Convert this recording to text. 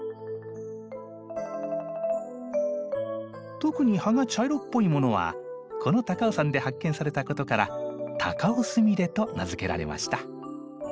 特に葉が茶色っぽいものはこの高尾山で発見されたことから「タカオスミレ」と名付けられました。